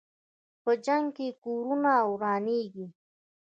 په جنګ کې کورونه ورانېږي.